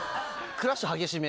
クラッシュ激しめ！